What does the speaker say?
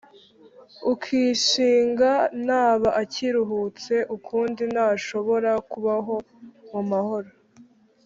Ukishinga, ntaba akiruhutse ukundi, ntashobora kubaho mu mahoro.